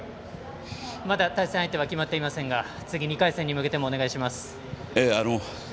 まだ対戦相手は決まっていませんが次、２回戦に向けてもお願いします。